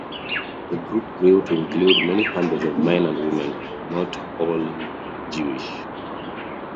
The group grew to include many hundreds of men and women, not all Jewish.